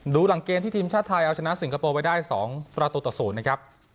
หลังเกมที่ทีมชาติไทยเอาชนะสิงคโปร์ไว้ได้๒ประตูต่อ๐นะครับ